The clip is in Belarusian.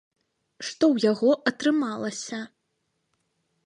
Што ў яго атрымалася?